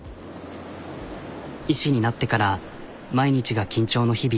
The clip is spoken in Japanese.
医師になってから毎日が緊張の日々。